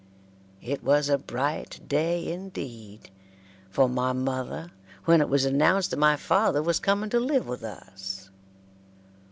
It was a bright day, indeed, for my mother when it was announced that my father was coming to live with us.